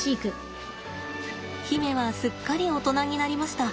媛はすっかり大人になりました。